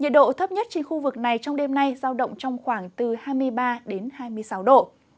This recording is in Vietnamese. nhiệt độ thấp nhất trên khu vực này trong đêm nay giao động trong khoảng từ hai mươi ba đến hai mươi sáu độ